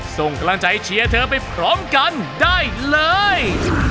ส่งกำลังใจเชียร์เธอไปพร้อมกันได้เลย